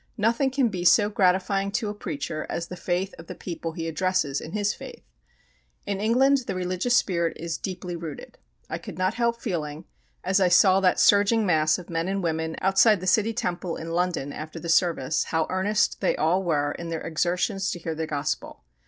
Nothing can be so gratifying to a preacher as the faith of the people he addresses in his faith. In England the religious spirit is deeply rooted. I could not help feeling, as I saw that surging mass of men and women outside the City Temple in London after the service, how earnest they all were in their exertions to hear the Gospel.